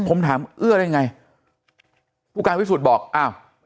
ผมถามเอื้อได้ไงผู้การวิสุทธิ์บอกอ้าว